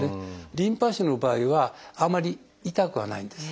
リンパ腫の場合はあんまり痛くはないんです。